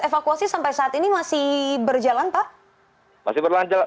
evakuasi sampai saat ini masih berjalan pak